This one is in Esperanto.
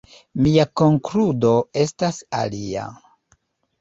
Mia konkludo estas alia.